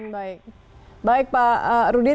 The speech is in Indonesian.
baik pak rudi terima kasih pak atas waktunya bersama cnnn